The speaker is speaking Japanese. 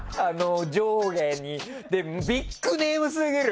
で、ビッグネームすぎる。